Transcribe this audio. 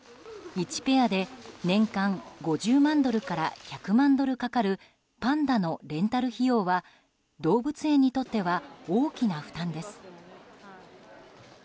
１ペアで年間５０万ドルから１００万ドルかかるパンダのレンタル費用は動物園にとっては大きな負担です。